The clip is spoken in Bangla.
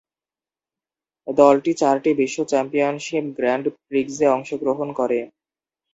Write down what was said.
দলটি চারটি বিশ্ব চ্যাম্পিয়নশীপ গ্র্যান্ড প্রিক্সে অংশগ্রহণ করে।